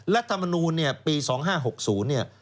รัฐมนุนปี๒๕๖๐